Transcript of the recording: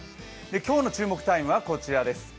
今日の注目タイムはこちらです。